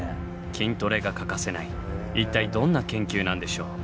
筋トレが欠かせない一体どんな研究なんでしょう？